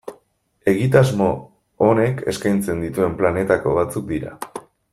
Egitasmo honek eskaintzen dituen planetako batzuk dira.